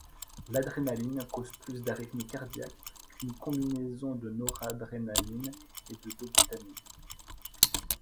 L'adrénaline cause plus d'arythmie cardiaque qu'une combinaison de noradrénaline et de dobutamine.